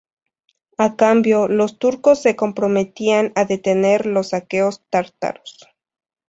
A cambio, los turcos se comprometían a detener los saqueos tártaros.